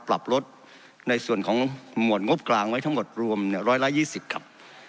ปรับรถในส่วนของหมวดงบกลางไว้ทั้งหมดรวมเนี่ยร้อยละยี่สิบครับ